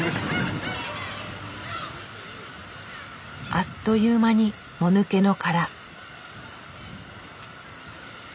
あっという間にもぬけの殻。